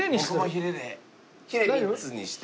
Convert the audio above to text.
ヒレ３つにして。